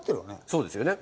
そうですよね